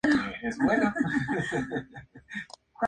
Ya de niño, fue un competente violinista, dibujaba y pintaba.